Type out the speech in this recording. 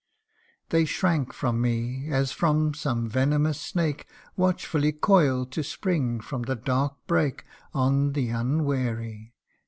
They shrank from me as from some venomous snake Watchfully coil'd to spring from the dark brake CANTO I. 17 On the unwary.